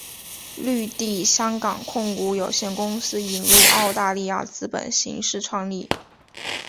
绿地香港控股有限公司引入澳大利亚资本形式创立。